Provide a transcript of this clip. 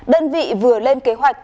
đơn vị vừa lên kế hoạch